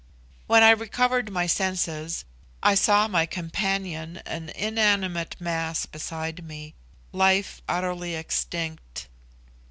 When I recovered my senses I saw my companion an inanimate mass beside me, life utterly extinct.